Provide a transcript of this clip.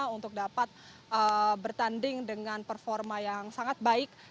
untuk dapat bertanding dengan performa yang sangat baik